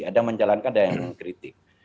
ada yang menjalankan ada yang mengkritik